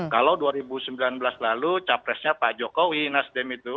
kalau dua ribu sembilan belas lalu capresnya pak jokowi nasdem itu